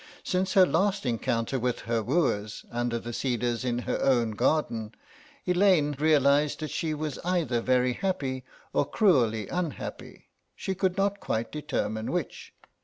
Since her last encounter with her wooers, under the cedars in her own garden, Elaine realised that she was either very happy or cruelly unhappy, she could not quite determine which.